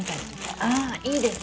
ああいいですね。